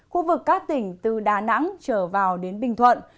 khu vực các tỉnh từ đà nẵng trở vào đến bình thuận